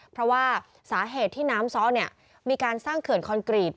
เพราะว่าสาเหตุที่น้ำซ้อมีการสร้างเขื่อนคอนกรีต